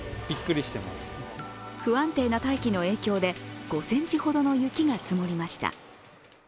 不安定な大気の影響で５ｃｍほどの雪が積もりました。